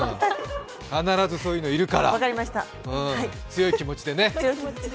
必ず、そういうのいるから強い気持ちでね。